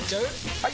・はい！